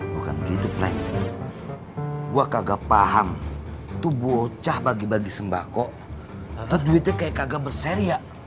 bukan gitu plan gua kagak paham tubuh ocah bagi bagi sembako atau duitnya kayak kagak berseria